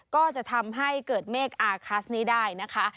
ก็จะทำให้เกิดเมฆอาคัสนี้ได้นะคะ